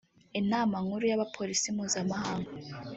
Inama nkuru ya polisi mpuzamahanga